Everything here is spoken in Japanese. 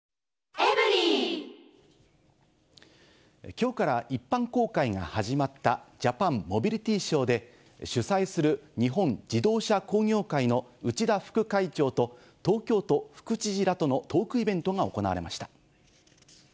きょうから一般公開が始まった、ジャパンモビリティショーで、主催する日本自動車工業会の内田副会長と、東京都副知事らとのトークイベントが行われました。